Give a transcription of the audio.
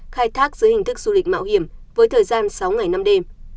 khai thác dưới hình thức du lịch mạo hiểm với thời gian sáu ngày năm đêm